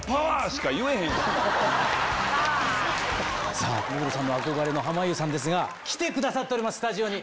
さぁ目黒さんの憧れのはまゆうさんですが来てくださってますスタジオに。